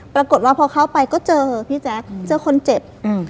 ปรากฏว่าพอเข้าไปก็เจอพี่แจ๊คเจอคนเจ็บอืม